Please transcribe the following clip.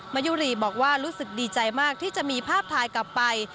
มายุรีบอกว่ารู้สึกดีใจมากที่จะมีภาพถ่ายกลับไป